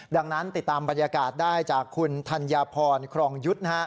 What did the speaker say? ดังนั้นติดตามบรรยากาศได้จากคุณธัญพรครองยุทธ์